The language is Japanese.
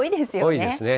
多いですね。